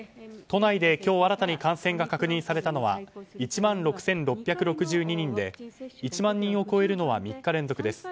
都内で今日新たに感染が確認されたのは１万６６６２人で１万人を超えるのは３日連続です。